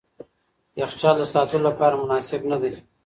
یخچال د ساتلو لپاره مناسب نه دی.